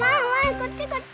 こっちこっち！